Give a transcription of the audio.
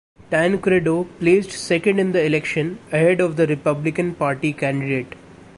Tancredo placed second in the election, ahead of the Republican Party candidate.